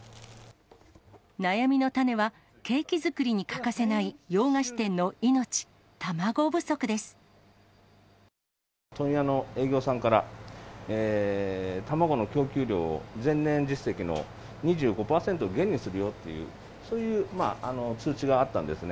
悩みの種は、ケーキ作りに欠かせない、問屋の営業さんから、卵の供給量を前年実績の２５％減にするよっていう、そういう通知